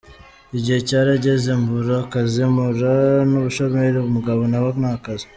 igihe cyarageze mbura akazi mpura n’ubushomeri umugabo nawe ntakazi.